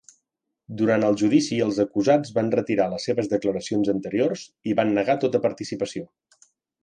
Durant el judici els acusats van retirar les seves declaracions anteriors i van negar tota participació.